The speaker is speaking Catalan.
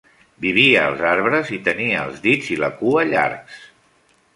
Vivia als arbres i tenia els dits i la cua llargs.